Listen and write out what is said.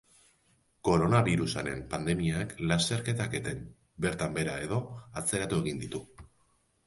Koronabirusaren pandemiak lasterketak eten, bertan behera edo atzeratu egin ditu.